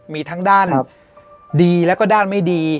มีทั้งด้านดีแล้วก็ด้านไม่ดี